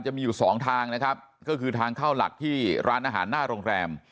จะมีอยู่สองทางนะครับก็คือทางเข้าหลักที่ร้านอาหารหน้าโรงแรม